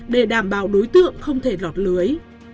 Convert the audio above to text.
để đảm bảo đối tượng không thể lọt lưới